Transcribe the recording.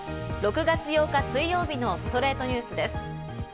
６月８日、水曜日の『ストレイトニュース』です。